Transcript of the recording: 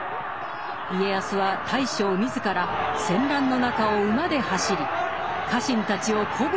家康は大将自ら戦乱の中を馬で走り家臣たちを鼓舞した。